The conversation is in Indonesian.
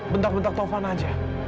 bentak bentak taufan aja